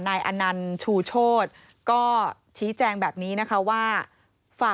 นายอนานชูโชฎก็ชี้แจ่งแบบนี้นะคะว่า